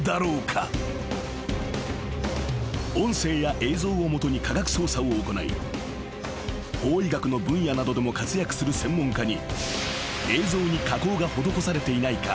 ［音声や映像を基に科学捜査を行い法医学の分野などでも活躍する専門家に］